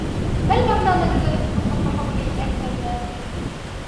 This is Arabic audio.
ما البرنامج الذي تتصفح به الإنترنت ؟